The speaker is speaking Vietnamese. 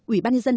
ủy ban nhân dân